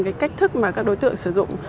cái cách thức mà các đối tượng sử dụng